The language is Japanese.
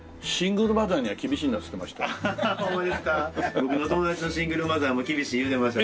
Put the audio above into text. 僕の友達のシングルマザーも厳しい言うてました。